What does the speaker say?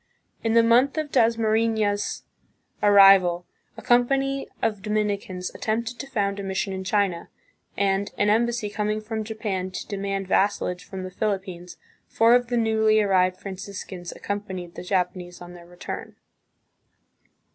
In the month of Dasmarifias' arrival, a company of Dominicans attempted to f9und a mission in China, and, an embassy coming from Japan to demand vassalage from the Philippines, four of the newly arrived Franciscans ac co'mpanied the Japanese on their return.